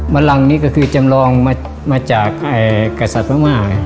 รังนี้ก็คือจำลองมาจากกษัตริย์พม่า